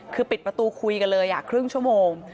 คือปิดประตูคุยกันเลยครึ่งชั่วโมง